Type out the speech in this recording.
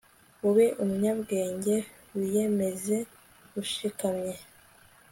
ube umunyabwenge, wiyemeze ushikamye